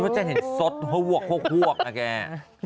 จริงเห็นซตเพราะหัวละแกะ